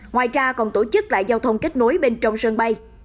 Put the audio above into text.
ngoài ra còn tổ chức lại giao thông kết nối bên trong sân bay